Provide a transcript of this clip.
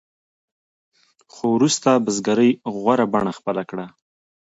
خو وروسته بزګرۍ غوره بڼه خپله کړه.